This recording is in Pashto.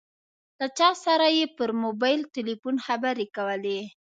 له چا سره یې پر موبایل ټیلیفون خبرې کولې.